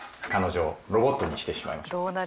彼女をロボットにしてしまいましょう。